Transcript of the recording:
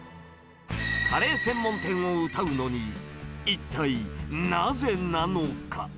カレー専門店をうたうのに、一体なぜなのか。